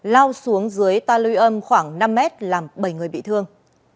lao xuống dưới ta lưu âm khoảng năm mét làm bảy người bị thương